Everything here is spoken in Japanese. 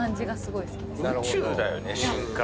宇宙だよね深海。